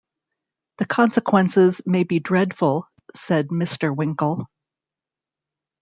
‘The consequences may be dreadful,’ said Mr. Winkle.